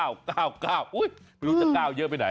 อุ้ยไม่รู้จะเก้าเยอะไปไหน